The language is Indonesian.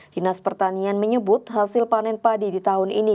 dinas pertanian menyebut hasil panen padi di tahun ini